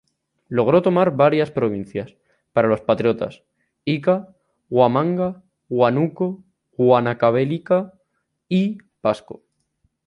Logró tomar varias provincias para los patriotas: Ica, Huamanga, Huánuco, Huancavelica y Pasco.